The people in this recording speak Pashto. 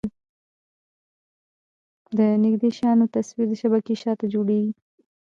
د نږدې شیانو تصویر د شبکیې شاته جوړېږي.